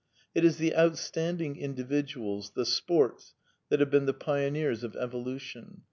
It is the outstandiijig individuals, the " sports," that have been the pioneers of ^volution.